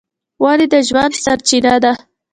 ونې د ژوند سرچینه ده.